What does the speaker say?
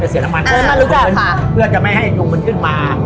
เป็นเสือกน้ำมันอ่ามันรู้จักค่ะเพื่อจะไม่ให้ยุงมันขึ้นมา